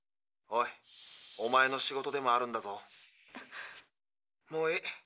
おいおまえの仕事でもあるんだぞ。もういい。